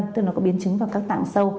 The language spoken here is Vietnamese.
tức là có biến chứng vào các tạng sâu